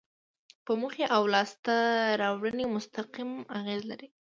په موخې او لاسته راوړنې مو مستقیم اغیز لري.